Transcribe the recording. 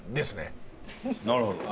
なるほど。